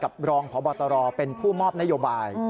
รองพบตรเป็นผู้มอบนโยบาย